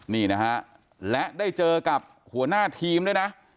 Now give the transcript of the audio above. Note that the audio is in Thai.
นี่นะฮะและได้เจอกับหัวหน้าทีมด้วยนะ